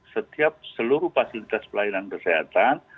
setiap seluruh fasilitas pelayanan kesehatan